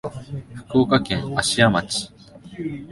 福岡県芦屋町